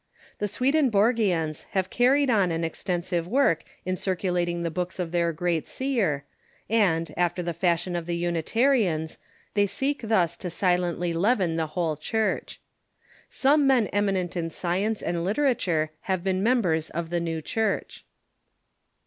The Swedenborgians have carried on an extensive work in circulating the books of their great seer, and, after the fashion of the Unitarians, they seek thus to si lently leaven the whole Church. Some men eminent in science and literature have been members of the New Church.